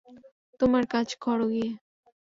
তোমার কাজ করো গিয়ে!